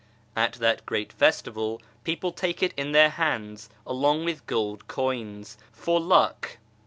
At that great festival people take it in their hands along with gold coins, " for luck."